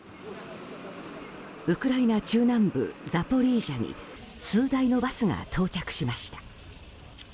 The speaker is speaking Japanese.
ウクライナ中南部ザポリージャに数台のバスが到着しました。